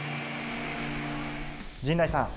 陣内さん。